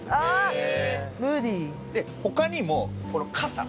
他にもこの傘。